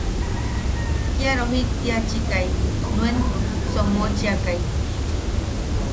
Kia roʼaktchiakai nuen somochiakai.